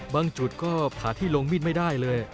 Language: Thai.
จุดก็ผ่าที่ลงมีดไม่ได้เลย